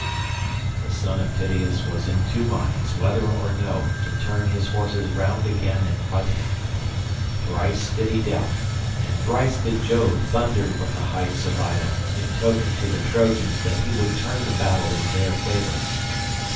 The son of Tydeus was in two minds whether or no to turn his horses round again and fight him. Thrice did he doubt, and thrice did Jove thunder from the heights of Ida in token to the Trojans that he would turn the battle in their favour.